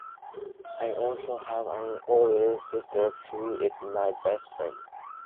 I also have an older sister who is my best friend.